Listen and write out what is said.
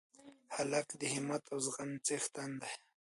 هلک د همت او زغم څښتن دی.